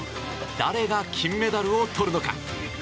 誰が金メダルをとるのか。